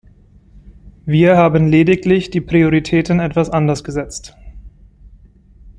Wir haben lediglich die Prioritäten etwas anders gesetzt.